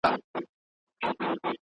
خاوند د ميرمني د متعې مسؤليت لري.